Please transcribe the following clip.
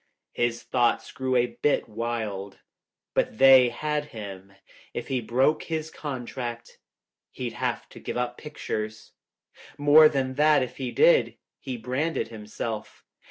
His thoughts grew a bit wild. But they had him. If he broke his contract, he'd have to give up pictures. More than that, if he did, he branded himself.